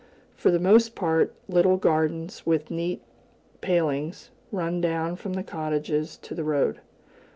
For the most part, little gardens, with neat palings, run down from the cottages to the road.